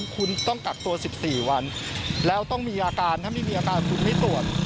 คุณต้องกักตัว๑๔วันแล้วต้องมีอาการถ้าไม่มีอาการคุณไม่ตรวจ